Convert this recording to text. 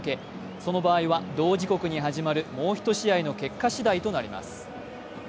その場合は同時刻に始まるもう一試合の結果しだいとなります。